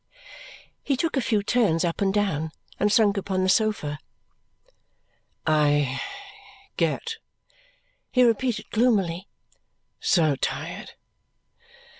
He took a few turns up and down and sunk upon the sofa. "I get," he repeated gloomily, "so tired.